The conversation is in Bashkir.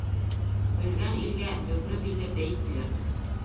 Бөлгән илгә бөкрө билле бей килер.